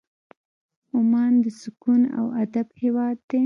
عمان د سکون او ادب هېواد دی.